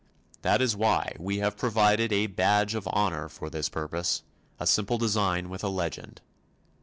That is why we have provided a badge of honor for this purpose, a simple design with a legend.